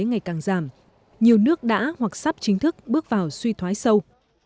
ngày càng giảm nhiều nước đã hoặc sắp chính thức bước vào suy thoái sâu